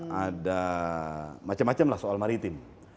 ada macam macam lah soal maritim